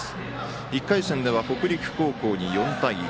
１回戦では北陸高校に４対１。